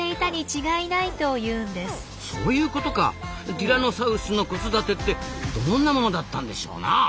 ティラノサウルスの子育てってどんなものだったんでしょうなあ？